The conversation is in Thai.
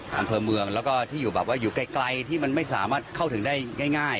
อำเภอเมืองแล้วก็ที่อยู่แบบว่าอยู่ไกลที่มันไม่สามารถเข้าถึงได้ง่าย